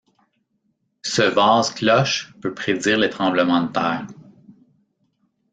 Ce vase-cloche peut prédire les tremblements de terre.